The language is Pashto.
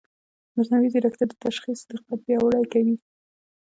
مصنوعي ځیرکتیا د تشخیص دقت پیاوړی کوي.